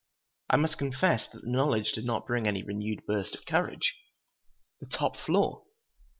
I must confess that the knowledge did not bring any renewed burst of courage! The top floor!